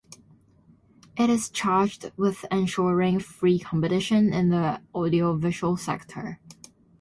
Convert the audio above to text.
It is charged with ensuring free competition in the audiovisual sector.